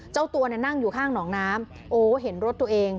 เจ้าตัวเนี่ยนั่งอยู่ข้างหนองน้ำโอ้เห็นรถตัวเอง